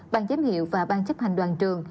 ban giám hiệu và ban chấp hành đoàn trường